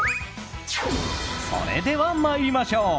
それでは参りましょう。